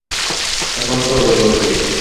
এখন চলো, জলদি।